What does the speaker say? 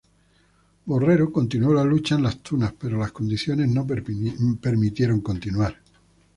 Borrero continuó la lucha en Las Tunas, pero las condiciones no permitieron continuar.